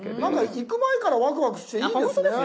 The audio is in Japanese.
行く前からワクワクしていいですね。